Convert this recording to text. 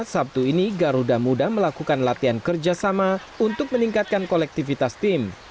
sabtu ini garuda muda melakukan latihan kerjasama untuk meningkatkan kolektivitas tim